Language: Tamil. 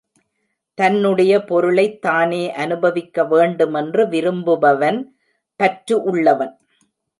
தன்னுடைய பொருளைத் தானே அனுபவிக்க வேண்டுமென்று விரும்புபவன் பற்று உள்ளவன்.